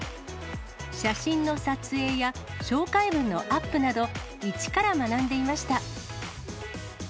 写真の撮影や紹介文のアップなど、一から学んでいました。